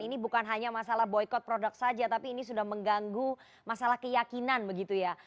ini bukan hanya masalah boykot produk saja tapi ini sudah mengganggu masalah keyakinan begitu ya